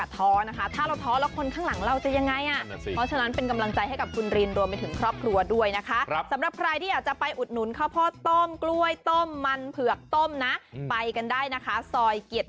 แต่อยากให้สู้ไปเรื่อย